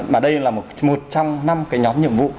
mà đây là một trong năm cái nhóm nhiệm vụ